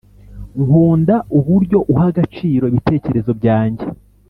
nkunda uburyo uha agaciro ibitekerezo byanjye